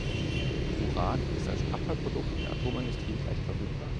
Uran ist als Abfallprodukt der Atomindustrie leicht verfügbar.